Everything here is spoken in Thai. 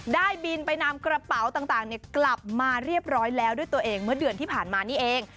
ได้บินไปนำกระเป๋าต่างกลับมาเรียบร้อยแล้วด้วยตัวเองเมื่อเดือนที่ผ่านมานี่เอง